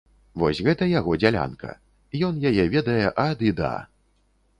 Вось гэта яго дзялянка, ён яе ведае ад і да.